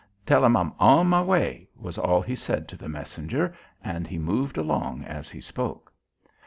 "Tell 'em I'm on my way," was all he said to the messenger, and he moved along as he spoke.